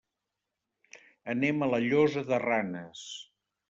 Anem a la Llosa de Ranes.